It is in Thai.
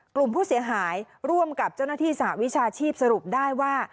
กลุ่มผู้เสียหายร่วมกับเจ้าหน้าที่สหวิชาชีพสรุปได้ว่า